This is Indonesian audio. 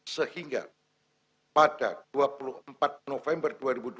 sehingga pada dua puluh empat november dua ribu dua puluh